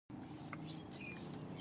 بریکونه وخت په وخت معاینه کړه.